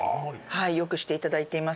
はい良くしていただいています。